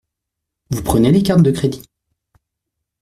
Vous prenez les cartes de crédit ?